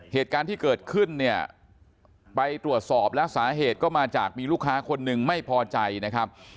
เหตุการณ์ที่เกิดขึ้นเนี่ยไปตรวจสอบแล้วสาเหตุก็มาจากมีลูกค้าคนหนึ่งไม่พอใจนะครับ